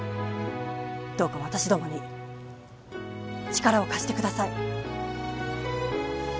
どうか私どもに力を貸してください